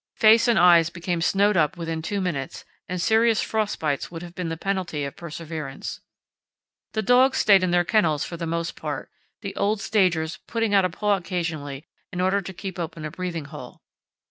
Face and eyes became snowed up within two minutes, and serious frost bites would have been the penalty of perseverance. The dogs stayed in their kennels for the most part, the "old stagers" putting out a paw occasionally in order to keep open a breathing hole.